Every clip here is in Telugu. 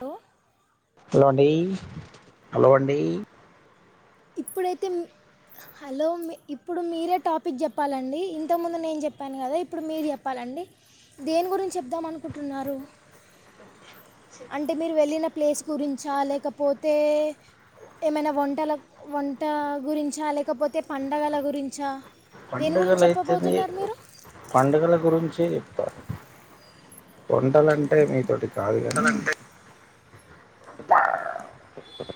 లో హలో అండి, హలో అండి ఇప్పుడైతే హలో ఇప్పుడు మీరే టాపిక్ చెప్పాలండి. ఇంతకుముందు నేను చెప్పాను కదా ఇప్పుడు మీరు చెప్పాలండి దేని గురించి చెప్దామ అనుకుంటున్నారు. అంటే మీరు వెళ్ళిన ప్లేస్ గురించా లేకపోతే ఏమైనా వంటల వంట గురించా లేకపోతే పండగల గురించా దేని పండుగల గురించి అయితేనే చెప్పబోతున్నారు మీరు పండుగల గురించి వంటలంటే మీతొటి కాదు కానీ చెప్పాలంటే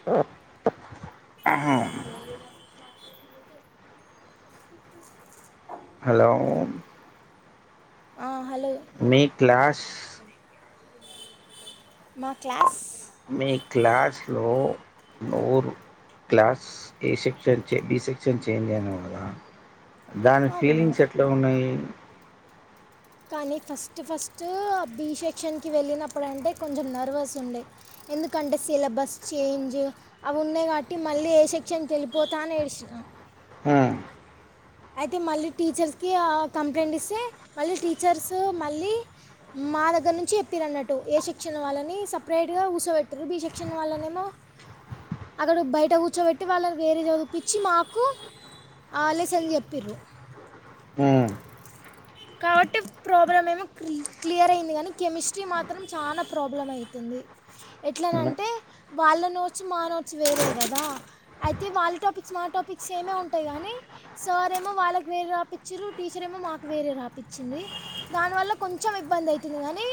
ఆ హలో ఆ హలో మీ క్లాస్ మా క్లాస్ మీ క్లాస్లో నోరు క్లాస్ ఏ సెక్షన్ చే బి సెక్షన్ చేంజ అని కదా దాని అవును ఫీలింగ్స్ ఎట్లా ఉన్నాయి? కానీ ఫస్ట్ ఫస్ట్ బి సెక్షన్కి వెళ్ళినప్పుడు అంటే కొంచెం నర్వస్ ఉండే, ఎందుకంటే సిలబస్ చేంజ్ అవి ఉన్నాయి కాబట్టి మళ్ళీ ఏ సెక్షన్కి వెళ్ళిపోతా అని ఏడ్చిన హ్మ్, అయితే మళ్ళీ టీచర్స్కి ఆ కంప్లైంట్ ఇస్తే మళ్ళీ టీచర్స్ మళ్ళీ మా దగ్గర నుంచి చెప్పిరు అన్నట్టు. ఏ సెక్షన్ వాళ్ళని సపరేట్గా కూర్చోబెట్టరు బి సెక్షన్ వాళ్ళనేమో అక్కడ బయట కూర్చోబెట్టి వాళ్ళని వేరే చదిపించి మాకు ఆ లెసన్ చె పెరుగు హ్మ్, కాబట్టి ప్రాబ్లం ఏమో క్లియర్ అయింది కానీ కెమిస్ట్రీ మాత్రం చాలా ప్రాబ్లం అయితుంది. హ్మ్. ఎట్లనంటే వాళ్ళ నోట్స్, మా నోట్స్ వేరే కదా. అయితే వాళ్ళ టాపిక్స్, మా టాపిక్స్ సెమే ఉంటాయి. కానీ సార్ ఏమో వాళ్ళకు వేరే రాపిచ్చరు టీచర్ ఏమో మాకు వేరే రపి పిచ్చింది దానివల్ల కొంచెం ఇబ్బంది అయితుంది కానీ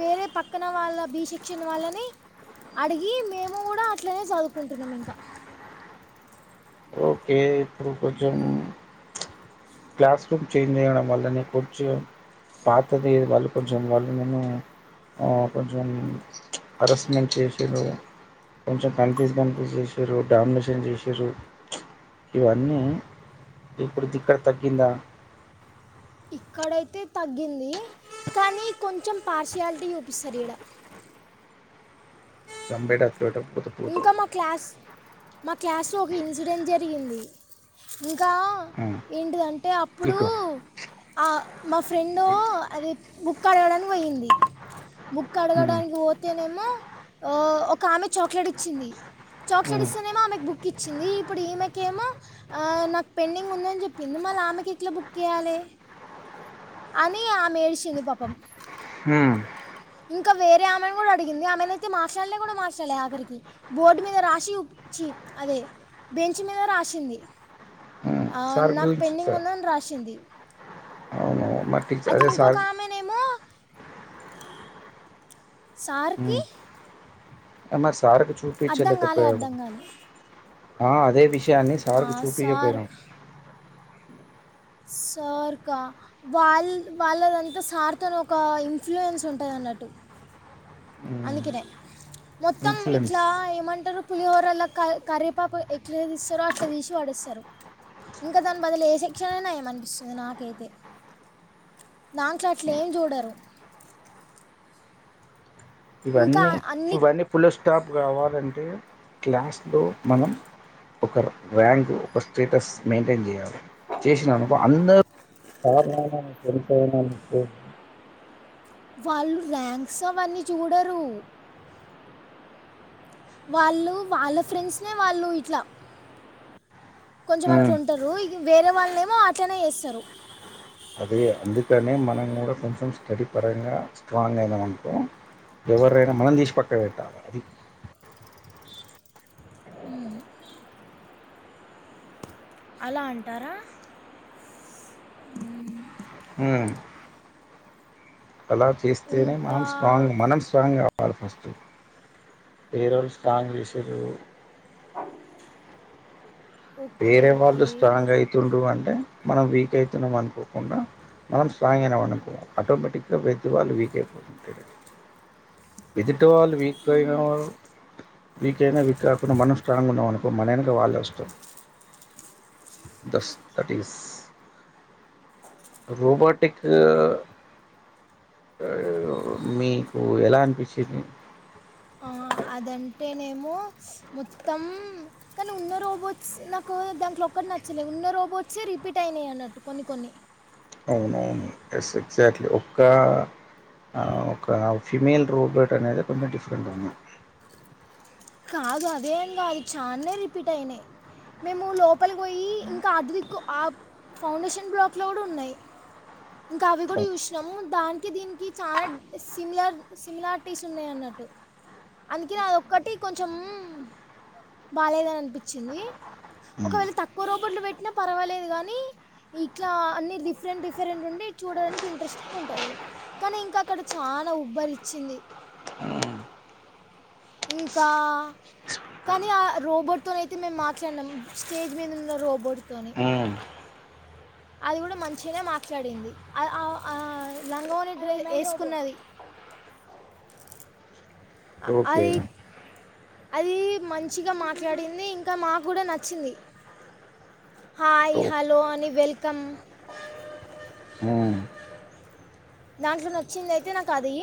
వేరే పక్కన వాళ్ళ బీ సెక్షన వాళ్ళని అడిగి మేము కూడా అట్లనే చదువుకుంటున్నాం ఇంకా. ఓకే ఇప్పుడు కొంచెం చ్ క్లాస్ రూమ్ చేంజ్ చేయడం వల్లనే కొంచెం పాత తీదు వాళ్ళు కొంచెం వాళ్ళు నేను కొంచెం హరస్మెంట్ చేసిరు. కొంచెం కన్ఫ్యూజ్ కన్ఫ్యూజ్ చేసిరు. డామినేషన్ చేసిరు. చ్ ఇవన్నీ ఇప్పుడు దిక్కడ తగ్గిందా. ఇక్కడైతే తగ్గింది కానీ కొంచెం పార్షియాలిటీ చూపిస్తరు ఇడ గంభేట చట పోతపోతు ఇంకా మా క్లాస్ మా క్లాస్లో ఒక ఇన్సిడెంట్ జరిగింది. ఉ ఇంకా ఉమ్. ఏంటిదంటే అప్పుడు ఇగో ఆ మా ఫ్రెండు అది బుక్ అడగడానికి పోయింది. బుక్ ఉమ్, అడగడానికి పోతేనేమి మొ ఒక ఆమె చో ట్లాడిచ్చింది చాక్లెట్ ఉమ్, ఇస్తేనేమో ఆమెకు బుక్ కిచ్చింది ఇప్పుడు ఈమెకేమో ఆ నాకు పెండింగ్ ఉందని చెప్పింది, మళ్ళీ ఆమెకి ఇట్లా బుక్ ఇయాలీ అని ఆమె ఏడిచింది పాపం ఉమ్, ఇంకా వేరే ఆమెను కూడా అడిగింది, ఆమెను అయితే మార్చాలే కూడా మార్చలె ఆఖరి బోర్డు మీద రాసివు చ్చి అదే బెంచ్ మీద రాసింది ఉమ్. ఆ సార్ నాకు గురించి పెండింగ్ సార్ ఉందని రాసింది అవును మరి టీచర్ అది అదే ఇంకోక సార్ ఆమెనేమో సార్ కి ఎమర్స్ సార్ కు కాలే చూపించలేకపోయాము అర్థం కాలే ఆ అదే విషయాన్ని ఆ, సార్ కు సార్ చూపియ్యపోయినాం. సార్ కా వాళ్ వాళ్ళదంతా సార్ తోను ఒక ఇన్ఫ్లుయెన్స్ ఉంటది అన్నట్టు. ఉమ్. అందుకినే మొత్తం ఇన్ఫ్లుయెన్స్ ఇట్లా ఏమంటరు పులిహోరలో కర్ కర్రేపాపు ఎట్లా తీస్సురో అట్లా తీసి పడేస్సరు, ఇంకా దాన్ని బదులు ఏ సెక్షణైనా ఏమనిపిస్తుంది నాకైతే దాంట్లో అట్లేం చూడరు. ఇంకా ఇవన్నీ అన్ని ఇవన్నీ ఫుల్ స్టాప్ కావాలంటే క్లాస్లో మనం ఒక ర్యాంకు ఒక స్టేటస్ మెయింటైన్ చేయాలి, చేసినానుకో అందరు [unintelligible] వాళ్ళు ర్యాంక్స్ అవన్నీ చూడరు వాళ్ళు వాళ్ళ ఫ్రెండ్స్నే వాళ్ళు ఇట్లా కొంచెం ఉమ్ అట్లుంటరు వేరే వాళ్ళనేమో అట్లనే చేస్సరు అదే అందుకనే మనం కూడా కొంచెం స్టడీ పరంగా స్ట్రాంగ్ అయినాం అనుకో ఎవరైనా మనం తీసి పక్క పెట్టాలి అది, ఉమ్ అలా అంటారా హుమ్ అలా చేస్తేనే ఇంకా మనం స్ట్రాంగ్ మనం స్ట్రాంగా కాదు ఫస్టు ఈ రోజు స్కాన్ చేసిర్రూ ఓకే వేరే వాళ్ళు ఓకే స్ట్రాంగ్ అయితుండ్రు అంటే మనం వీక్ అయితున్నాం అనుకోకుండా మనం స్ట్రాంగ్ అయినాం అనుకో ఆటోమేటిక్గా వెద్దు వాళ్ళు వీక్ అయిపోతుంటారు వెజు టు వాళ్ళు వీక్ అయినారు వీక్ ఐనా వీక్ కాకున్నా మనం స్ట్రాంగ్ ఉన్నాం అనుకో మన ఎనుక వాళ్లే వస్తారు థస్ దటీస్ రోబోటిక్ మీకు ఎలా అన్పిచ్చింది ఆ అదంటే నేమో మొత్తం కానీ ఉన్న రోబోట్స్ నాకు దాంట్లో ఒక్కటి నచ్చలేదు ఉన్న రోబోట్సే రిపీట్ అయినాయి అన్నట్టు కొన్ని కొన్ని అవునవును ఎస్ ఎగ్జాక్ట్లీ ఒక్క ఆ ఒక ఫిమేల్ రోబోట్ అనేది కొంచెం డిఫరెంట్గా ఉంది కాదు అదేం గాదు చాననే రిపీట్ అయినాయి మేము లోపలికి పోయి ఇంకా అటుదిక్కు ఆ ఫౌండేషన్ బ్లాక్లో కూడా ఉన్నాయి ఇంకా అవి కూడా చూసినాము దానికి దీనికి చానా సిమిలర్ సిమిలారిటీస్ ఉన్నాయి అన్నట్టు అందుకే అది ఒక్కటి కొంచెం బాలేదని అన్పిచ్చింది ఒకవేళ తక్కువ రోబోట్లు పెట్టినా పర్వాలేదు కానీ ఇట్లా అన్ని డిఫరెంట్ డిఫరెంట్ ఉండి చూడడానికి ఇంట్రెస్టింగ్ ఉంటుంది కానీ ఇంక అక్కడ చాలా ఉబ్బరిచ్చింది ఇన్ కా కానీ ఆ రోబోట్తోనయితే మేం మాట్లాడినాం స్టేజ్ మీద ఉన్న రోబోట్ తోని అది కూడా మంచిగనే మాట్లాడింది ఆ ఆ లంగ ఓణీ డ్రె ఏసుకున్నది అ ఓకే అది అది మంచిగా మాట్లాడింది ఇంకా మాకు కూడా నచ్చింది హాయ్ హలో అని వెల్కమ్ దాంట్లో నచ్చింది ఐతే నాకు అది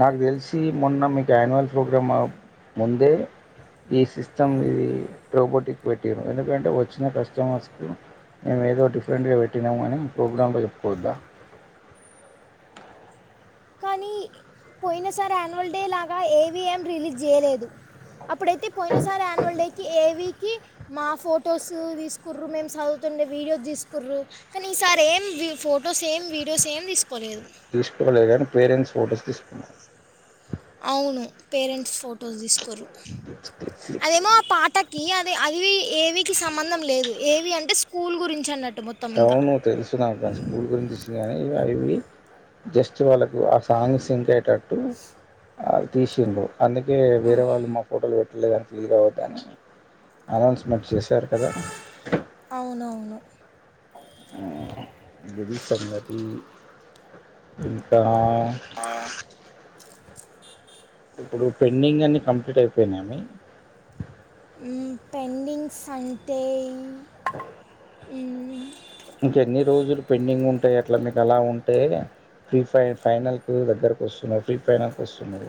నాకు తెలిసి మొన్న మీకు యాన్యువల్ ప్రోగ్రామ్ ముందే ఈ సిస్టమ్ ఇది రోబోటిక్ పెట్టిరు ఎందుకంటే వచ్చిన కస్టమర్స్కు మేము ఏదో డిఫరెంట్గా పెట్టినాము అని ప్రోగ్రామ్ంలో చెప్పుకోవద్దా కానీ పోయిన సారి యాన్యువల్ డే లాగా ఏవీ ఏం రిలీజ్ చేయలేదు అప్పుడైతే పోయిన సారి యాన్యువల్ డేకి ఏ వీ కి మా ఫోటోస్ తీసుకుర్రు మేం సదువుతుండే వీడియో తీసుకుర్రు కానీ ఈసారి ఏం ఫోటోస్ ఏం వీడియోస్ ఏం తీసు తీసుకోలేగా పేరెంట్స్ ఫోటోస్ తీసుకున్నారు అవును పేరెంట్స్ ఫొటోస్ తీసుకోరు క్లిక్ క్లిక్ క్లిక్ అదేమో ఆ పాటకి అది అది ఏవికి సంబంధం లేదు ఏవి అంటే స్కూల్ గురించి అన్నట్ అవును తెలుసు నాకు గానీ స్కూల్ గురించి గానీ అవి ఇవి జస్ట్ వాళ్ళకు ఆ సాంగ్ సింక్ అయ్యేటట్టు ఆ తీసిల్లు అందుకే వేరే వాళ్ళు మా ఫోటోలు వెట్ అట్లే ఫీల్ అవద్దని అనౌన్స్మెంట్ చేశారు కదా అవునవును ఇది సంగతి ఇంకా ఇప్పుడు పెండింగ్ అన్ని కంప్లీట్ అయిపోయినా మీ ఉ పెండింగ్స్ అంటే ఉ ఇంక ఎన్ని రోజులు పెండింగ్ ఉంటాయి అట్లా మీకు అలా ఉంటే ప్రీ ఫై ఫైనల్కి దగ్గరకు వస్తున్నారు ప్రీ ఫైనల్కి వస్తున్నారు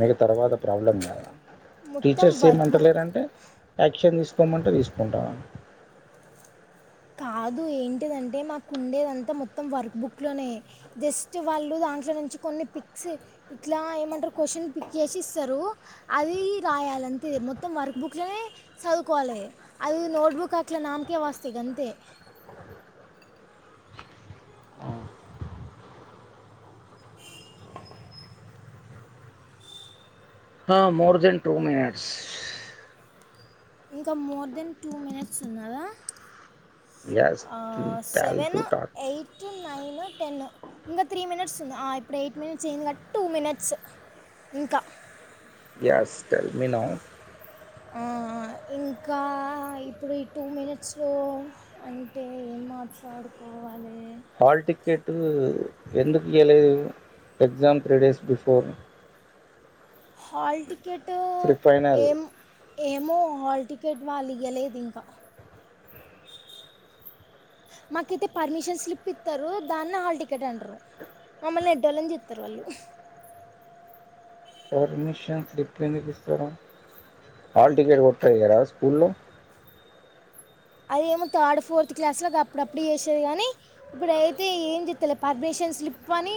మీకు తర్వాత ప్రాబ్లం గదా మొత్తం టీచర్స్ వర్క్ ఏమంట బుక్ లేరంటే యాక్షన్ ఇస్ తీసుకోమంటే తీసుకుంటా కాదు ఏంటిది అంటే మాకు ఉండేది అంతా మొత్తం వర్క్ బుక్ లోనే జస్ట్ వాళ్ళు దాంట్లో నుంచి కొన్ని పిక్స్ ఇట్లా ఏమంటారు క్వశ్చన్ పిక్ చేసి ఇస్తారు అది రాయాలి అంతే మొత్తం వర్క్ బుక్స్ లనే చదువుకోవాలే అది నోట్ బుక్ అట్లా నామకే వాస్తి గం తే హ మోర్ దెన్ టూ మినిట్స్ ఇంకా మోర్ దెన్ టూ మినిట్స్ ఉన్నదా ఎస్ ఆ to tell seven to talk eight nine ten ఇంగా త్రీ మినిట్స్ ఉంది ఆ ఇప్పుడు ఎయిట్ మినిట్స్ అయింది గ టూ మినిట్స్ ఇంకా ఎస్ టెల్ మీ నౌ ఆ ఇంకా ఇప్పుడు ఈ టూ మినిట్స్ లో అంటే ఏం మాట్లాడుకోవాలే హాల్ టికెట్ అటు ఎందుకు ఇయ్యలేదు exam three days before hall ticket pre final ఏం ఏమో హాల్ టికెట్ వాళ్లు ఇయ్యలేదు ఇంకా మాకైతే పర్మిషన్ స్లిప్ ఇత్తరు దాన్ని హాల్ టికెట్ అంటరు మమ్మల్ని ఎడ్డోళ్లను చేత్తరు వాళ్లు పర్మిషన్ స్లిప్ ఎందుకు ఇస్తారు హాల్ టికెట్ కొట్ట ఇయ్యరా స్కూల్లో అదేమో థర్డ్ ఫోర్త్ క్లాస్ లకి అప్పుడప్పుడు చేసేది గానీ ఇప్పుడు అయితే ఏం చెత్తలే పర్మిషన్ స్లిప్ అని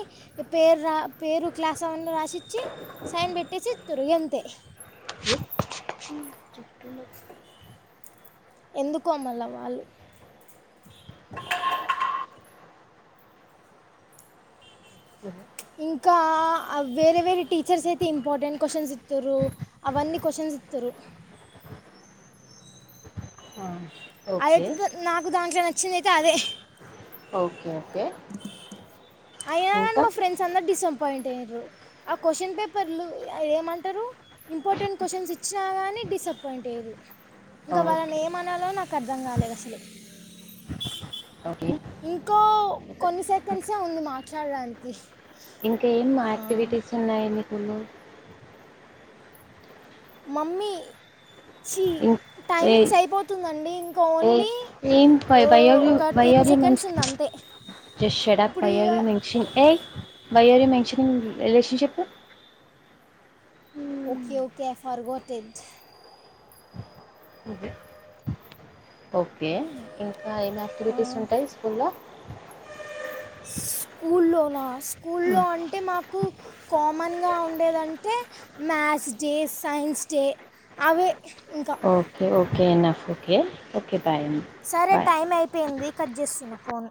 పేరు రా పేరు క్లాస్ అవన్ని రాసిచ్చి సైన్ పెట్టేసి ఇస్తారు ఎంతే ఎందుకో మల్ల వాళ్ళు ఇంకా ఆ వేరే వేరే టీచర్స్ అయితే ఇంపార్టెంట్ క్వశ్చన్స్ ఇత్తురు అవన్నీ క్వశ్చన్స్ ఇత్తురు అదైతే ఓకే గా నాకు దాంట్లో నచ్చింది అయితే అదే ఓకే ఓకే అయినా కానీ ఇంకా మా ఫ్రెండ్స్ అందరూ డిసప్పాయింట్ ఏరు ఆ క్వశ్చన్ పేపర్లు య ఏమంటారు ఇంపార్టెంట్ క్వశ్చన్స్ ఇచ్చినా గానీ డిసప్పాయింట్ ఏరు ఇంకా వాళ్ళని ఓకే ఏమనాలో నాకు అర్థం గాలేదు అసలు ఓకే ఇంకో ఇంకా కొన్ని సెకండ్సే ఉంది మాట్లాడడానికి ఇంకా ఏం ఆ, యాక్టివిటీస్ ఉన్నాయి మీ ఉన్నాయి మమ్మీ ఛీ ఇన్ ఏయ్ టైమింగ్స్ అయిపోతుందండి ఇంకా ఏయ్ ఓన్లీ ఏంట్ ఓ, వై ఆర్ యు ఒక why ten are you seconds mention ఉంది అంతే జస్ట్ షటప్ ఇప్పుడు వై ఆర్ యు ఈ- మెన్షన్ ఏయ్ వై ఆర్ యు మె చ్చిన్ relationship okay okay forgot it okay ఇంక్ ఆ ఏం యాక్టివిటీస్ ఉంటాయి స్కూల్లో స్కూల్లో నా స్కూల్లో అంటే మాకు కామన్ గా ఉండేదంటే మ్యాథ్స్ డే సైన్స్ డే అవే ఇంకా ఓకే ఓకే ఎనా ఓకే ఓకే బాయ్ సరే బాయ్ టై అయిపోయింది కట్ చేస్తున్నా ఫోన్